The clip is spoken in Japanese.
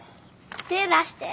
手出して。